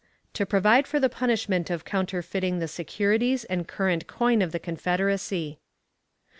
To provide for the punishment of counterfeiting the securities and current coin of the Confederacy.